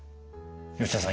吉野さん